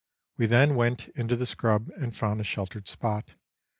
We then went into the scrub and found a sheltered spot.